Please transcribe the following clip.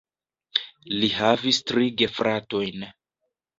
Li havis tri gefratojn.